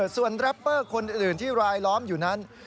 ส่วนแรปเปอร์คนอื่นที่รายล้อมอยู่นั้น